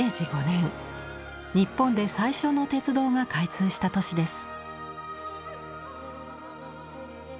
日本で最初の鉄道が開通した年です。